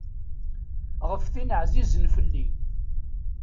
Ɣef tin ɛzizen fell-i.